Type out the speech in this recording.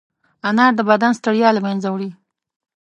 انار د بدن ستړیا له منځه وړي.